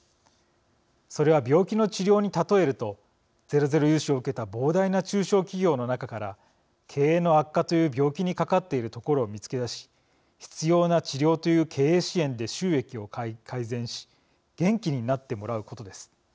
それは病気の治療に例えるとゼロゼロ融資を受けた膨大な中小企業の中から経営の悪化という病気にかかっているところを見つけだし必要な治療という経営支援で収益を改善し元気になってもらうことです。